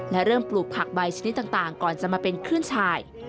และเริ่มปลูกผักใบชนิดต่างก่อนจะมาเป็นคลื่นชาย